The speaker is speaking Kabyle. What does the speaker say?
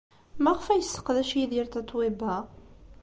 Maɣef ay yesseqdac Yidir Tatoeba?